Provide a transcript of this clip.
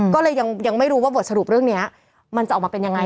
ก็เลยยังไม่รู้ว่าบทสรุปเรื่องนี้มันจะออกมาเป็นยังไง